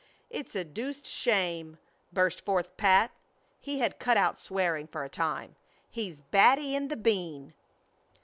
"It's a deuced shame!" burst forth Pat. (He had cut out swearing for a time.) "He's batty in the bean!"